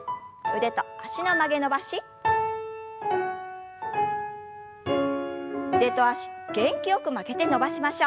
腕と脚元気よく曲げて伸ばしましょう。